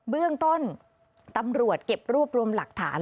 เบื้องต้นตำรวจเก็บรวบรวมหลักฐาน